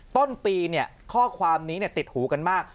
ต้นปีเนี่ยข้อความนี้เนี่ยติดหูกันมาก